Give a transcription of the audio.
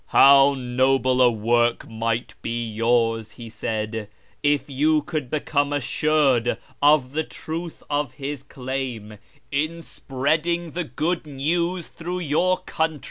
" How noble a work might be yours," he said, " if you could become assured of the truth of his claim, in spreading the good news through your country